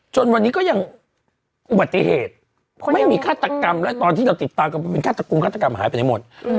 จนวันนี้ก็ยังอุบัติเหตุไม่มีฆาตกรรมแล้วตอนที่เราติดตามกันมันเป็นฆาตกรุงฆาตกรรมหายไปไหนหมด